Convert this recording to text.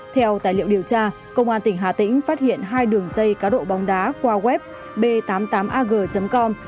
theo tài liệu điều tra công an tỉnh hà tĩnh phát hiện hai đường dây cá độ bóng đá qua web b tám mươi tám ag com